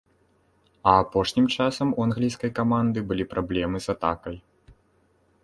А апошнім часам у англійскай каманды былі праблемы з атакай.